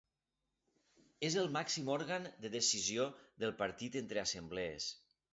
És el màxim òrgan de decisió del partit entre assemblees.